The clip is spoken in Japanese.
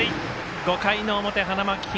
５回の表、花巻東。